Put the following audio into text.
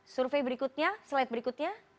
survei berikutnya slide berikutnya